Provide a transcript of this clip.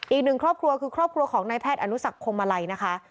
อีกหนึ่งครอบครัวคือครอบครัวของนายแพทย์อนุสักพวงมาลัยนะคะ